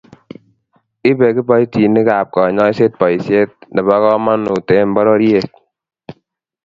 ibe kiboitinikab kanyoisiet boisiet nebo kamanut eng' bororiet